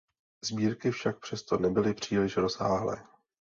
Sbírky však přesto nebyly příliš rozsáhlé.